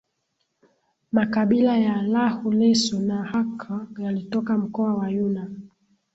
Makabila ya Lahu Lisu na Akha yalitoka mkoa wa Yunnan